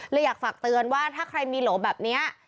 อยากฝากเตือนว่าถ้าใครมีโหลแบบนี้